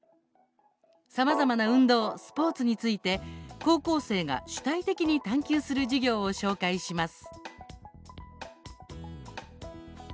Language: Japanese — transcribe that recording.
さまざまな運動スポーツについて高校生が主体的に探究する授業を紹介します。